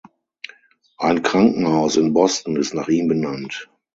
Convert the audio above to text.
Ein Krankenhaus in Boston ist nach ihm benannt.